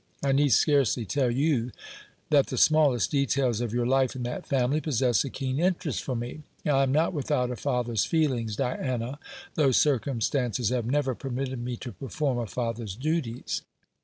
I need scarcely tell you that the smallest details of your life in that family possess a keen interest for me. I am not without a father's feelings, Diana, though circumstances have never permitted me to perform a father's duties."